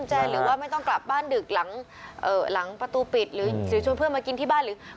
หรือว่าไม่ต้องกลับบ้านดึกหลังประตูปิดหรือชวนเพื่อนมากินน้ำน้ำด้วยบ้าน